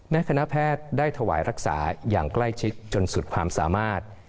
คณะแพทย์ได้ถวายรักษาอย่างใกล้ชิดจนสุดความสามารถ